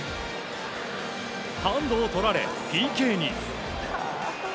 ハンドをとられ、ＰＫに。